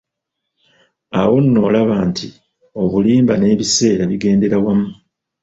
Awo nno olaba nti obulimba n'ebiseera bigendera wamu.